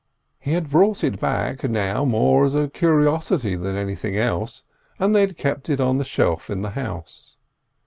He had brought it back now more as a curiosity than anything else, and they had kept it on the shelf in the house.